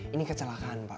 ini kecelakaan pak